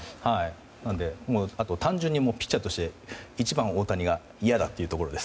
なのであと、単純にピッチャーとして１番、大谷が嫌だということです。